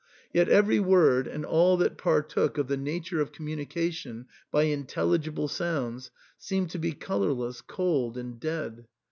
Yet every word and all that partook of the nature of communication by intelligible sounds seemed to be colourless, cold, and dead.